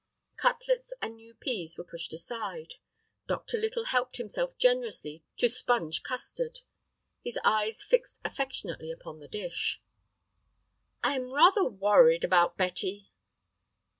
Cutlets and new pease were pushed aside. Dr. Little helped himself generously to sponge custard, his eyes fixed affectionately upon the dish. "I am rather worried about Betty."